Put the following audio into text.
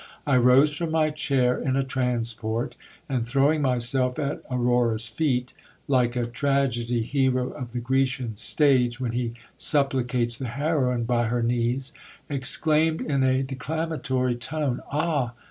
I rose from my chair in a transport, and, throwing myself at Aurora's feet, like a tragedy hero of the Grecian stage when he supplicates the heroine "by her knees," exclaimed in a declamatory tone — Ah